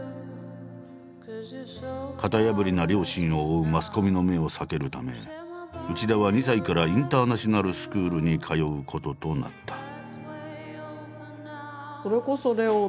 型破りな両親を追うマスコミの目を避けるため内田は２歳からインターナショナルスクールに通うこととなった。